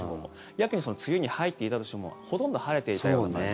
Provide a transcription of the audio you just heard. やけに梅雨に入っていたとしてもほとんど晴れていたような感じ。